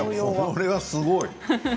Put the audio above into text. これはすごい。